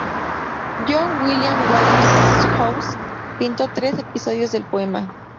John William Waterhouse pintó tres episodios del poema.